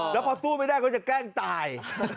แล้วพอสู้ไม่ได้เขาจะแกล้งตาย